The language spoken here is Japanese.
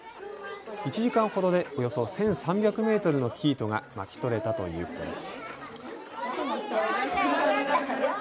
１時間ほどでおよそ１３００メートルの生糸が巻き取れたということです。